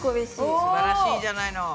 すばらしいじゃないの。